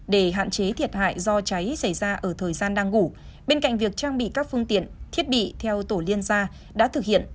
để hạn chế thiệt hại do cháy xảy ra ở thời gian đang ngủ bên cạnh việc trang bị các phương tiện thiết bị theo tổ liên gia đã thực hiện